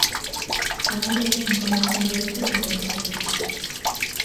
Hala ere, informazio hori ez dute baieztatu.